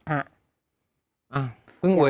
อ้าวเหรอ